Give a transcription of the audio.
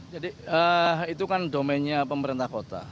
jadi itu kan domennya pemerintah kota